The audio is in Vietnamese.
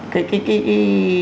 cái cái cái